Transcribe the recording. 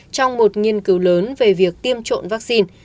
trong một nghiên cứu lớn về việc tiêm trộn vaccine